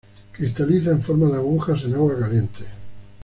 Cristaliza en forma de agujas en agua caliente.